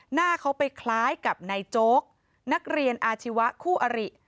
หน้าเขาไปคล้ายกับนายโจ๊กนักเรียนอาชีวะคู่อริ